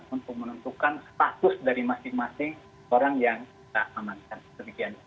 untuk menentukan status dari masing masing orang yang kita amankan